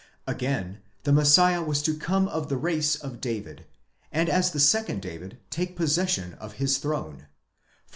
Again, the Messiah was to come of the race of Dayid, and as a second David take possession of his throne (Matt.